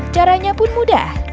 caranya pun mudah